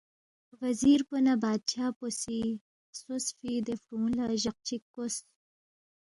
وزیر پو نہ بادشاہ پو سی خسوسفی دے فرُونگ لہ جق چِک کوس